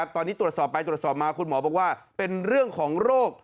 ตอนนี้ตรวจสอบไปตรวจสอบมาคุณหมอบอกว่าเป็นเรื่องของโรค